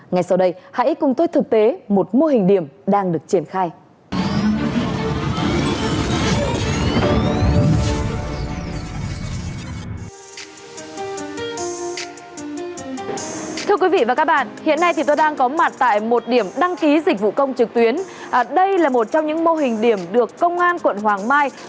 ngay sau đây hãy cùng tôi thực tế một mô hình điểm đang được triển khai